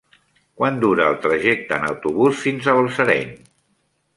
Quant dura el trajecte en autobús fins a Balsareny?